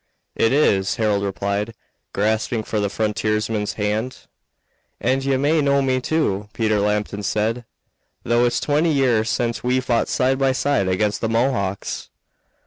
"It is," Harold replied, grasping the frontiersman's hand. "And ye may know me, too," Peter Lambton said, "though it's twenty year since we fought side by side against the Mohawks."